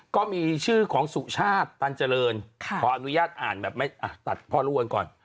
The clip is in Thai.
ก็มีชื่อของสุชาติตันเจริญขออนุญาตอ่านแบบไม่ตัดพอรู้กันก่อน